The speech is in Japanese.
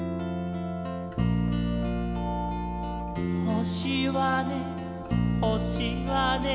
「ほしはねほしはね」